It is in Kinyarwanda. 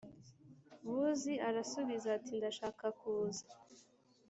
Buzi arasubiza ati ndashaka kuza